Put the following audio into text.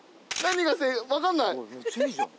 めっちゃいいじゃん。